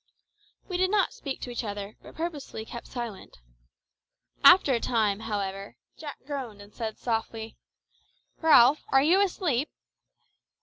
We did not speak to each other, but purposely kept silence. After a time, however, Jack groaned, and said softly "Ralph, are you asleep?"